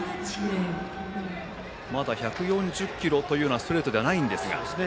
まだ１４０キロというようなストレートじゃないですが。